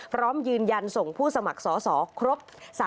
พร้อมยืนยันส่งผู้สมัครสอสอครบ